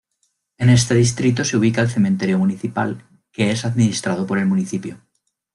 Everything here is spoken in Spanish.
En este distrito se ubica el Cementerio Municipal que es administrado por el Municipio.